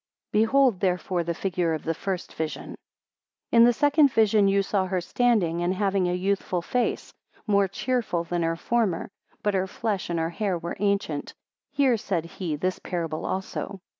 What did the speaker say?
Behold therefore the figure of the first vision. 123 In the second vision you saw her standing, and having a youthful face, and more cheerful than her former; but her flesh and her hair were ancient. Hear, said he, this parable also.